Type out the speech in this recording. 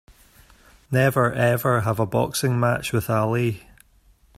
Never ever have a boxing match with Ali!